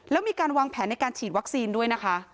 แล้วมีการวางแผนในการฉีดวัคซีนด้วยนะคะ